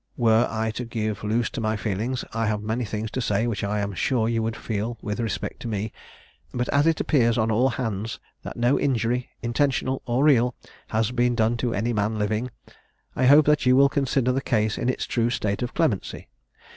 Were I to give loose to my feelings, I have many things to say which I am sure you would feel with respect to me; but as it appears on all hands, that no injury, intentional or real, has been done to any man living, I hope that you will consider the case in its true state of clemency.